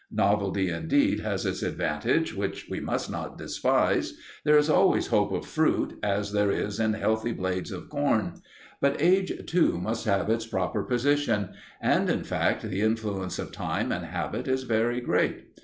Novelty, indeed, has its advantage, which we must not despise. There is always hope of fruit, as there is in healthy blades of corn. But age too must have its proper position; and, in fact, the influence of time and habit is very great.